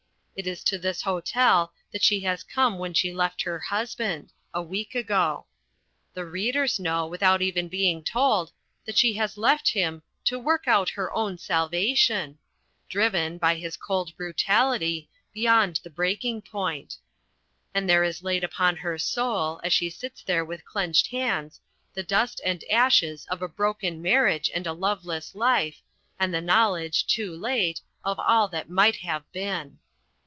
It is to this hotel that she has come when she left her husband, a week ago. The readers know, without even being told, that she left him "to work out her own salvation" driven, by his cold brutality, beyond the breaking point. And there is laid upon her soul, as she sits there with clenched hands, the dust and ashes of a broken marriage and a loveless life, and the knowledge, too late, of all that might have been.